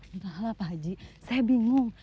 entahlah pak haji saya bingung